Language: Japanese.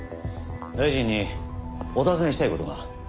大臣にお尋ねしたい事が。